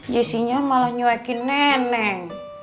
jessy nya malah nyewekin nenek